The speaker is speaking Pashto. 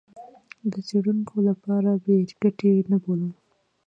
د څېړونکو لپاره بې ګټې نه بولم.